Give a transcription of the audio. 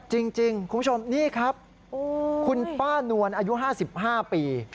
จริงคุณผู้ชมนี่ครับคุณป้านวลอายุ๕๕ปี